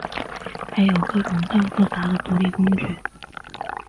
还有各种更复杂的独立工具。